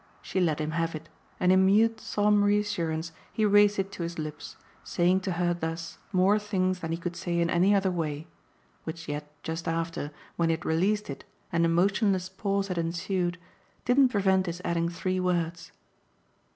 She let him have it, and in mute solemn reassurance he raised it to his lips, saying to her thus more things than he could say in any other way; which yet just after, when he had released it and a motionless pause had ensued, didn't prevent his adding three words.